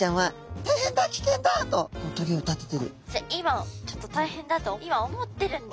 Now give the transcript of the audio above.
今ちょっと大変だと今思ってるんだ。